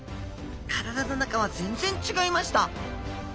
体の中は全然違いました。